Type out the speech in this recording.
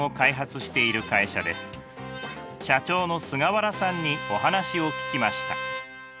社長の菅原さんにお話を聞きました。